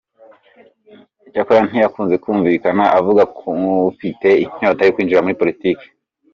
Cyakora ntiyakunze kumvikana avuga nk'ufite inyota yo kwinjira muri politiki.